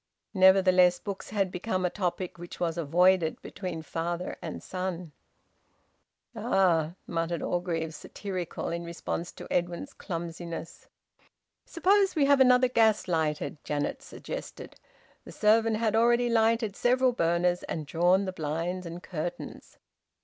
Nevertheless books had become a topic which was avoided between father and son. "Ah!" muttered Mr Orgreave, satirical, in response to Edwin's clumsiness. "Suppose we have another gas lighted," Janet suggested. The servant had already lighted several burners and drawn the blinds and curtains.